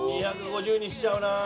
２５０にしちゃうな。